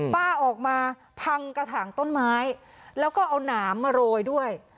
ป้าออกมาพังกระถางต้นไม้แล้วก็เอาหนามมาโรยด้วย